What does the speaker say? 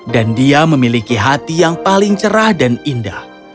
dia memiliki hati yang paling cerah dan indah